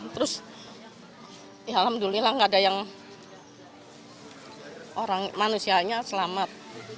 terus alhamdulillah nggak ada yang manusianya selamat